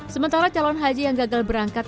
sementara calon haji yang gagal berangkat